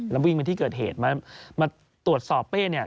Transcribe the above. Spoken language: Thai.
แล้ววิ่งไปที่เกิดเหตุมาตรวจสอบเป้เนี่ย